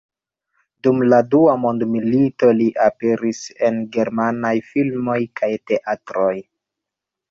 Dum la Dua mondmilito li aperis en germanaj filmoj kaj teatroj.